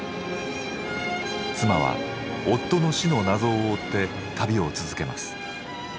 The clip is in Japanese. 妻は夫の死の謎を追って旅を続けます。